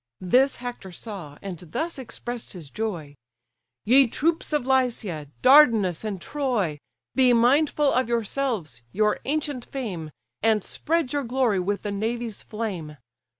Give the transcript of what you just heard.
This Hector saw, and thus express'd his joy: "Ye troops of Lycia, Dardanus, and Troy! Be mindful of yourselves, your ancient fame, And spread your glory with the navy's flame.